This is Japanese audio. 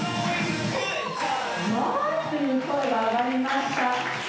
「うわっ！」という声が上がりました。